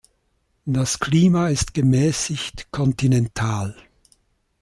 Das Klima ist gemäßigt kontinental.